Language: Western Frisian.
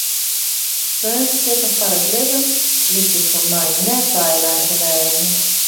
Freonskippen foar it libben lykje foar my net weilein te wêze.